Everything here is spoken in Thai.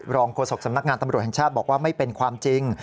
โฆษกสำนักงานตำรวจแห่งชาติบอกว่าไม่เป็นความจริง